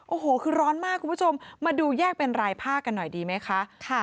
โอ้โหคือร้อนมากคุณผู้ชมมาดูแยกเป็นรายภาคกันหน่อยดีไหมคะ